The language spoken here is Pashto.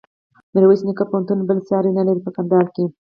میرویس نیکه پوهنتون بل سیال نلري په کندهار کښي.